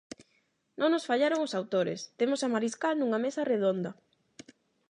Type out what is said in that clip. Non nos fallaron os autores, temos a Mariscal nunha mesa redonda...